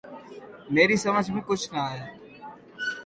میری سمجھ میں کچھ نہ آیا۔